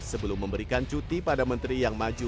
sebelum memberikan cuti pada menteri yang maju